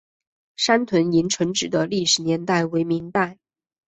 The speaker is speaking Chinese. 三屯营城址的历史年代为明代。